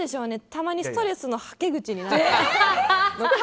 たまにストレスのはけ口にして。